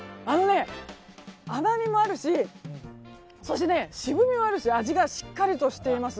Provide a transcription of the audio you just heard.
甘みもあるしそして渋みもあるし味がしっかりとしています。